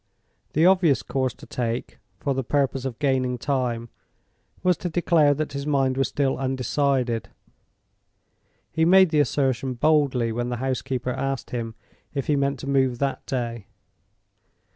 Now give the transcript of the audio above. The obvious course to take, for the purpose of gaining time, was to declare that his mind was still undecided. He made the assertion boldly when the housekeeper asked him if he meant to move that day.